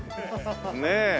ねえ。